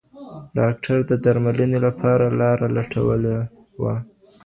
ډاکټر د درملنې لپاره لاره لټولي وه.